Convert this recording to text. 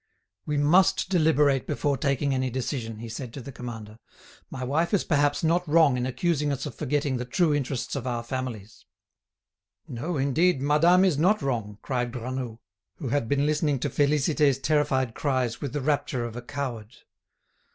"We must deliberate before taking any decision," he said to the commander. "My wife is perhaps not wrong in accusing us of forgetting the true interests of our families." "No, indeed, madame is not wrong," cried Granoux, who had been listening to Félicité's terrified cries with the rapture of a coward.